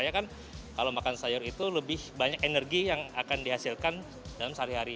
ya kan kalau makan sayur itu lebih banyak energi yang akan dihasilkan dalam sehari hari